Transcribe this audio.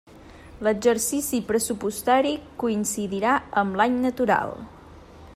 L'exercici pressupostari coincidirà amb l'any natural.